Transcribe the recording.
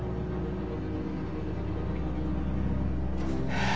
えっ！？